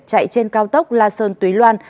chạy trên cao tốc la sơn túy loan